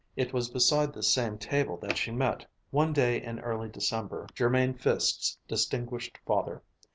It was beside this same table that she met, one day in early December, Jermain Fiske's distinguished father.